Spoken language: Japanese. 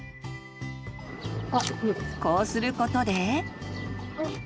こうすることで。